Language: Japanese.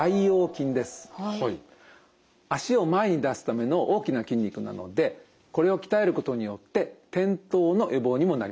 足を前に出すための大きな筋肉なのでこれを鍛えることによって転倒の予防にもなります。